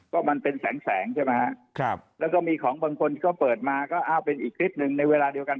ก็มันเป็นแสงแสงใช่ไหมฮะครับแล้วก็มีของบางคนที่เขาเปิดมาก็อ้าวเป็นอีกคลิปหนึ่งในเวลาเดียวกัน